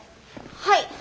はい。